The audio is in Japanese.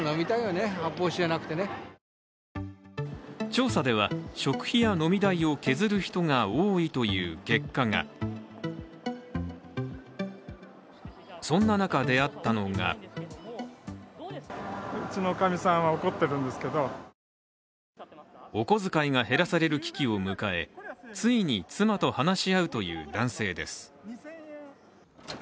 調査では食費や飲み代を削る人が多いという結果がそんな中、出会ったのがお小遣いが減らされる危機を迎えついに妻と話し合うという男性です。